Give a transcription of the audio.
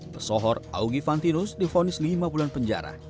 pesohor augi fantinus difonis lima bulan penjara